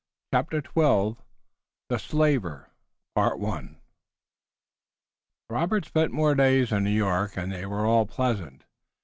CHAPTER XII THE SLAVER Robert spent more days in New York, and they were all pleasant.